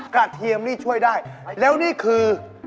เทียมนี่ช่วยได้แล้วนี่คือ